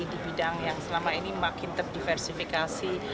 di bidang yang selama ini makin terdiversifikasi